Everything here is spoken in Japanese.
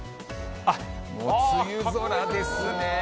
もう梅雨空ですね。